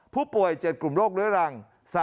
ผู้ป่วย๗กลุ่มโรคเรื้อรัง